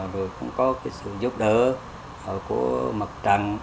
rồi cũng có sự giúp đỡ của mặt trăng